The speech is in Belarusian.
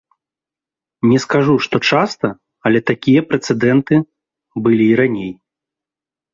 Не скажу, што часта, але такія прэцэдэнты былі і раней.